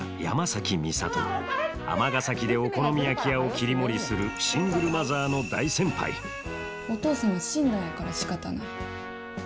尼崎でお好み焼き屋を切り盛りするシングルマザーの大先輩お父さんは死んだんやからしかたない。